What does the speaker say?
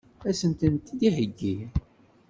Ad sen-tent-id-iheggi?